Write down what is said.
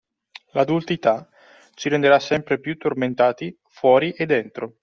L’adultità ci renderà sempre più tormentati, fuori e dentro.